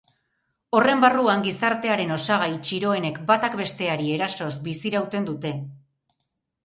Horren barruan, gizartearen osagai txiroenek batak besteari erasoz bizirauten dute.